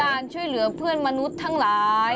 การช่วยเหลือเพื่อนมนุษย์ทั้งหลาย